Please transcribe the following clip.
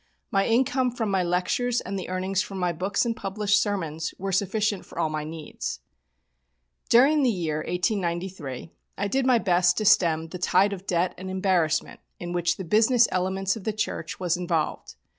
My income from my lectures, and the earnings from my books and published sermons, were sufficient for all my needs. During the year 1893 I did my best to stem the tide of debt and embarrassment in which the business elements of the church was involved.